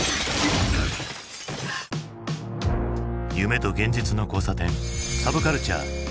夢と現実の交差点サブカルチャー。